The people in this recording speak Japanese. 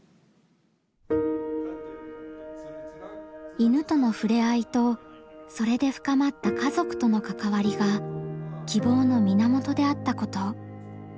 犬との触れ合いとそれで深まった家族との関わりが希望の源であったこと。